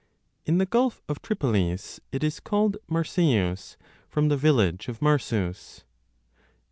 In the Gulf of Tripolis 20 it is called Marseus, from the village of Marsus.